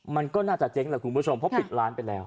มันก็น่าจะเจ๊งแหละคุณผู้ชมเพราะปิดร้านไปแล้ว